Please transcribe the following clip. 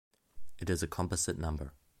It is a composite number.